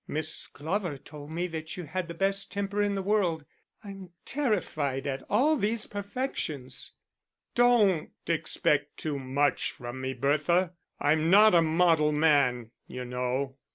"Miss Glover told me that you had the best temper in the world. I'm terrified at all these perfections." "Don't expect too much from me, Bertha. I'm not a model man, you know."